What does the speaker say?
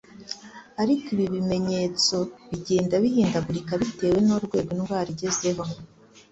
ariko ibi bimenyetso bigenda bihindagurika bitewe n''urwego indwara igezeho